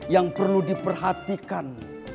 yang perlu diperhatikan